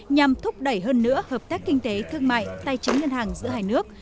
nhằm thúc đẩy hơn nữa hợp tác kinh tế thương mại tài chính ngân hàng giữa hai nước